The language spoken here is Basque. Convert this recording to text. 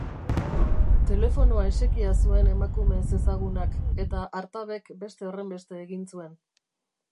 Telefonoa esekia zuen emakume ezezagunak, eta Artabek beste horrenbeste egin zuen.